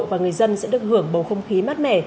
và người dân sẽ được hưởng bầu không khí mát mẻ